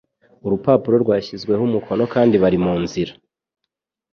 Urupapuro rwashyizweho umukono kandi bari mu nzira